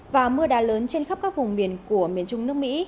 và mưa đá lớn trên khắp các vùng miền của miền trung nước mỹ